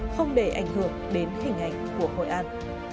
không để ảnh hưởng đến hình ảnh của hội an